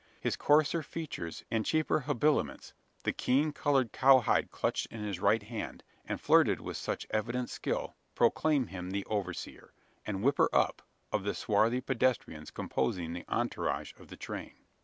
His coarser features, and cheaper habiliments; the keel coloured "cowhide" clutched in his right hand, and flirted with such evident skill, proclaim him the overseer and whipper up of the swarthy pedestrians composing the entourage of the train.